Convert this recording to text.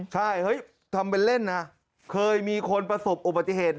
ใช่ทำเป็นเล่นนะครับเคยมีคนโอปฏิเหตุ